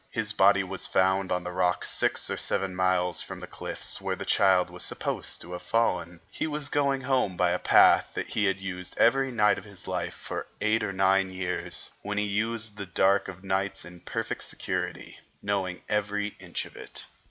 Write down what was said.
His body was found on the rocks six or seven miles from the cliffs where the child was supposed to have fallen; he was going home by a path that he had used every night of his life for eight or nine years, that he used of dark nights in perfect security, knowing every inch of it.